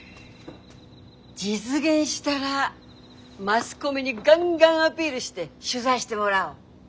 実現したらマスコミにガンガンアピールして取材してもらおう。